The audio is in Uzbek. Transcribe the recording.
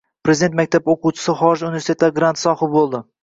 Prezident maktabi o‘quvchisi xorij universitetlari granti sohibi bo‘ldi